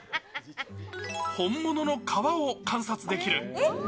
本物の川を観察できる。